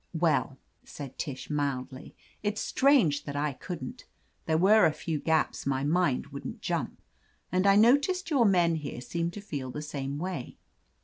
"Well," said Tish, mildly. "It's strange that I couldn't There were a few gaps my mind wouldn't jump. And I noticed your men here seemed to feel the sam6 way.